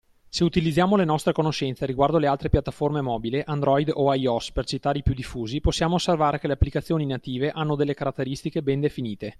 Se utilizziamo le nostre conoscenze riguardo le altre piattaforme mobile (Android o iOS per citare i più diffusi) possiamo osservare che le applicazioni native hanno delle caratteristiche ben definite.